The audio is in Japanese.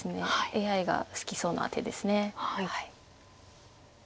ＡＩが好きそうな手です。